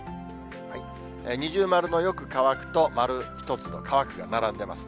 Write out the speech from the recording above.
二重丸のよく乾くと、丸１つの乾くが並んでます。